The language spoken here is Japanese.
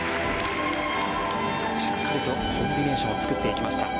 しっかりとコンビネーションを作っていきました。